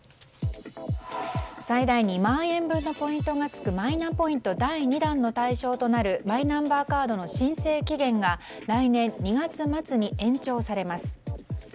最大２万円分のポイントがつくマイナポイント第２弾の対象となるマイナンバーカードの申請期限が来年２月末に延長されます。